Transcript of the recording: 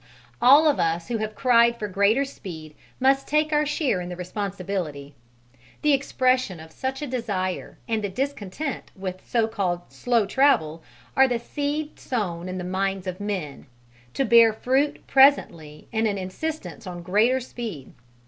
All of us who have cried for greater speed must take our share in the responsibility. The expression of such a desire and the discontent with so called slow travel are the seed sown in the minds of men, to bear fruit presently in an insistence on greater speed.